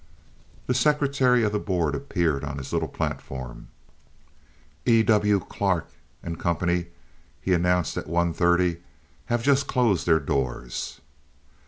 The secretary of the board appeared on his little platform. "E. W. Clark & Company," he announced, at one thirty, "have just closed their doors."